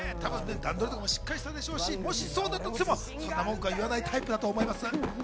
段取りもしっかりしていたでしょうし、たとえそうだとしても文句は言わないタイプだと思います。